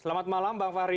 selamat malam bang fahri